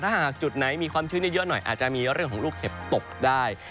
ถ้าหากจุดไหนมีความชื้นเยอะหน่อยอาจจะมีเรื่องของลูกเห็บตกได้